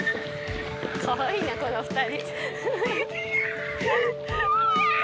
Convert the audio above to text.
かわいいなこの２人。